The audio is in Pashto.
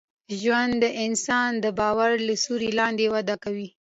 ژوند د انسان د باور له سیوري لاندي وده کوي.